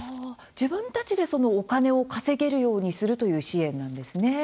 自分たちでお金を稼げるようにするという支援なんですね。